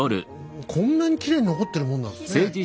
こんなにきれいに残ってるもんなんですね。